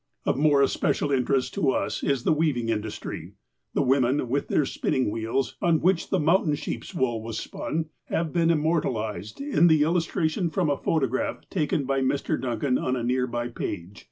Of more especial interest to us is the weaving industry. The women, with their spinning wheels, on which the mountain sheep's wool was spun, have been immortalized in the illustration from a photograph taken by Mr. Dun can, on a near by page.